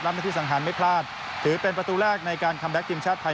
หน้าที่สังหารไม่พลาดถือเป็นประตูแรกในการคัมแก๊กทีมชาติไทย